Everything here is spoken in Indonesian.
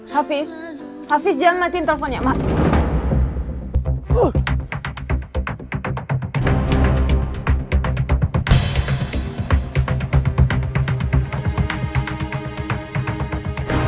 hafiz hafiz jangan matiin teleponnya mas